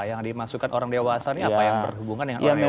yang dimasukkan orang dewasa ini apa yang berhubungan dengan orang lain